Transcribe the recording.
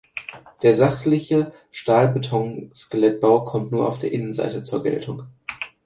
Der sachliche Stahlbetonskelettbau kommt nur an der Innenseite zur Geltung.